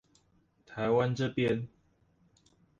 台灣這邊